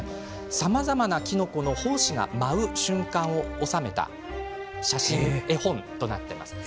さまざまなきのこの胞子が舞う瞬間を収めた写真絵本となっています。